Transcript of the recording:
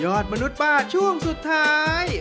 มนุษย์ป้าช่วงสุดท้าย